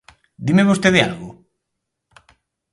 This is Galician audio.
¿Dime vostede algo?